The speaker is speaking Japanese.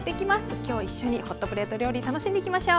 今日一緒にホットプレート料理楽しんでいきましょう。